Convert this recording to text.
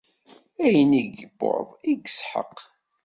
Ayen i yewɛed i Isḥaq.